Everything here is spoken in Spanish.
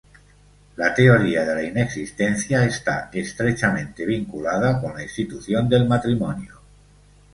La teoría de la inexistencia está estrechamente vinculada con la institución del matrimonio.